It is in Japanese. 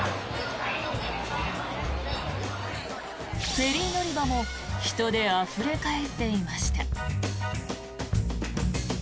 フェリー乗り場も人であふれ返っていました。